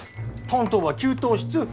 担当は給湯室。